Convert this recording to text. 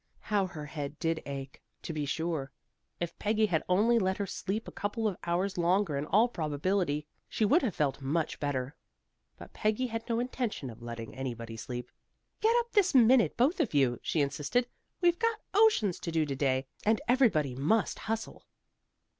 How her head did ache, to be sure. If Peggy had only let her sleep a couple of hours longer in all probability she would have felt much better. But Peggy had no intention of letting anybody sleep. "Get up this minute, both of you," she insisted. "We've got oceans to do to day, and everybody must hustle."